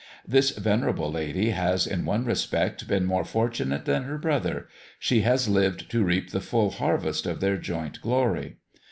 This venerable lady has in one respect been more fortunate than her brother; she has lived to reap the full harvest of their joint glory.